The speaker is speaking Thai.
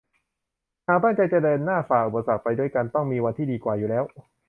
หากตั้งใจจะเดินหน้าฝ่าอุปสรรคไปด้วยกันต้องมีวันที่ดีกว่าอยู่แล้ว